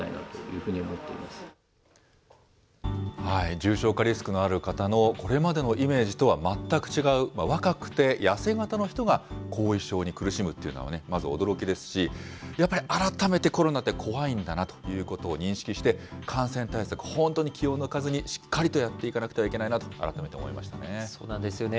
重症化リスクがある方のこれまでのイメージとは全く違う、若くて痩せ形の人が、後遺症に苦しむというのは、まず驚きですし、やっぱり改めてコロナって怖いんだなということを認識して、感染対策、本当に気を抜かずにしっかりとやっていかなくてはいけないそうなんですよね。